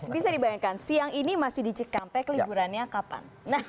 bisa dibayangkan siang ini masih di cikampek liburannya kapan